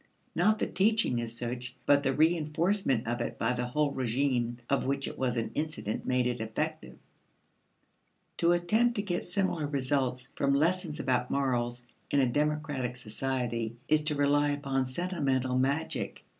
Not the teaching as such but the reinforcement of it by the whole regime of which it was an incident made it effective. To attempt to get similar results from lessons about morals in a democratic society is to rely upon sentimental magic.